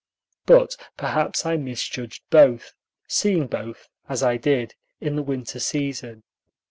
But perhaps I misjudged both, seeing both, as I did, in the winter season.